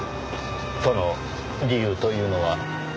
その理由というのは？